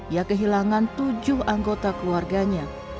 ia kehilangan tujuh anggota keluarganya